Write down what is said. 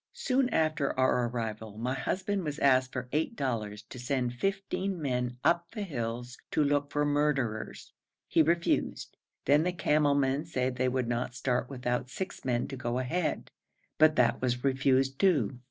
Soon after our arrival my husband was asked for eight dollars to send fifteen men up the hills to look for murderers; he refused, then the camel men said they would not start without six men to go ahead, but that was refused too.